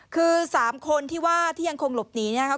คือ๓คนที่ว่าที่ยังคงหลบหนีนะครับ